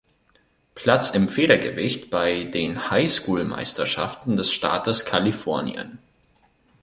Platz im Federgewicht bei den High-School-Meisterschaften des Staates Kalifornien.